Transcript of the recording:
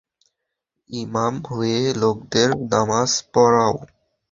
ইমাম হয়ে লোকদের নামায পড়াও।